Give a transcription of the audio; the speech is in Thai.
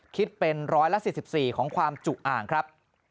คิดเป็น๑๔๔ของความจุอ่างครับ